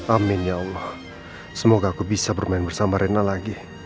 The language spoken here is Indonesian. amin ya allah semoga aku bisa bermain bersama rena lagi